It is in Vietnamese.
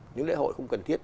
những lễ hội không cần thiết